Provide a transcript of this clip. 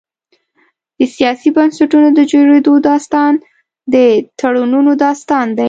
د سیاسي بنسټونو د جوړېدو داستان د تړونونو داستان دی.